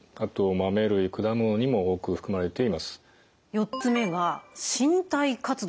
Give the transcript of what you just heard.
４つ目が「身体活動」。